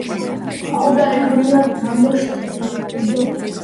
ფლობს გერმანულსა და რუსულ ენებს.